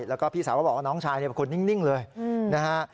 แล้วก็พี่สาวก็บอกว่าน้องชายเป็นคนนิ่งเลยนะฮะ